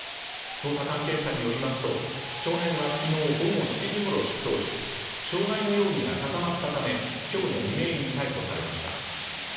捜査関係者によりますと、少年は昨日午後７時ごろ出頭し傷害の容疑が固まったため今日の未明に逮捕されました。